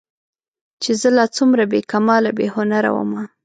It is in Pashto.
چې زه لا څومره بې کماله بې هنره ومه